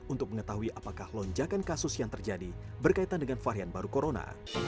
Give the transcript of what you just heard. untuk mengetahui apakah lonjakan kasus yang terjadi berkaitan dengan varian baru corona